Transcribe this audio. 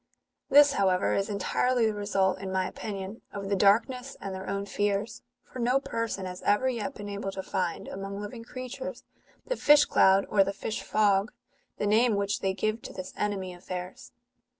This, however, is entirely the result, in my opinion, of the darkness and their own fears ; for no person has ever yet been able to find, among living creatures, the fish cloud or the fish fog, the name which they give to this enemy of theirs.